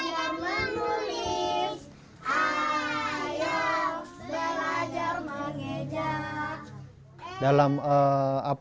ayam belajar menulis ayam belajar mengejak